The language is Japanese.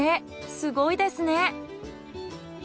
すごいですね。